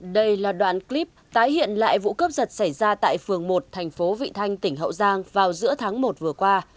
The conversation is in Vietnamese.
đây là đoạn clip tái hiện lại vụ cướp giật xảy ra tại phường một thành phố vị thanh tỉnh hậu giang vào giữa tháng một vừa qua